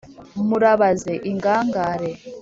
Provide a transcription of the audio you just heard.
murabaze ingangare